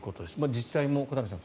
自治体も小谷さん